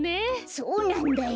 そうなんだよ。